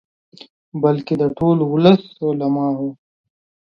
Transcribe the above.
بلکې د ټول ولس، علماؤ.